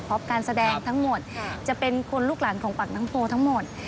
การแสดงทั้งหมดจะเป็นคนลูกหลานของปากน้ำโพทั้งหมด